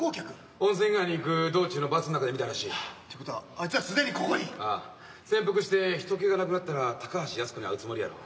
温泉街に行く道中のバスの中で見たらしい。ってことはあいつはすでにここに？潜伏して人気がなくなったら高橋靖子に会うつもりやろう。